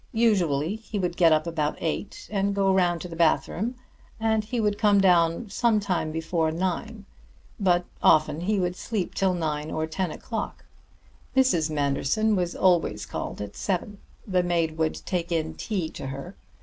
Usually he would get up about eight and go round to the bathroom, and he would come down some time before nine. But often he would sleep till nine or ten o'clock. Mrs. Manderson was always called at seven. The maid would take in tea to her.